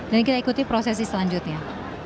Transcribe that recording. dan kita ikuti prosesi selanjutnya